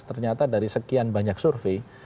ternyata dari sekian banyak survei